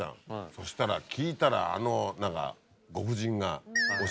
そしたら聞いたらあのご婦人が。